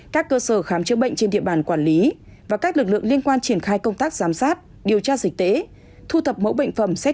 các cơ sở khám chữa bệnh trên địa bàn quản lý và các lực lượng liên quan triển khai công tác giám sát